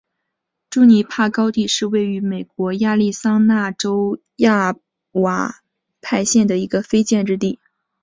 朱尼珀高地是位于美国亚利桑那州亚瓦派县的一个非建制地区。